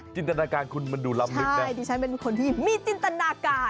จินตนาการคุณมันดูลำลึกนะใช่ดิฉันเป็นคนที่มีจินตนาการ